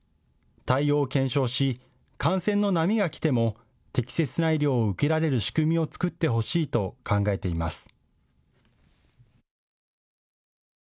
対応を検証し、感染の波が来ても適切な医療を受けられる仕組みを作ってほしいと考えています。